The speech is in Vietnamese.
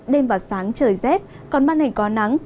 đêm và sáng trời rét còn ban hành có nắng